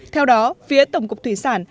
theo đó phía tổng cục thủy sản